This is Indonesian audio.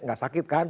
enggak sakit kan